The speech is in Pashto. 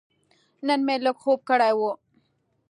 نن مې لږ خوب کړی و.